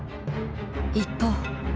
一方。